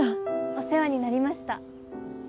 お世話になりました。